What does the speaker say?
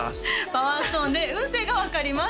パワーストーンで運勢が分かります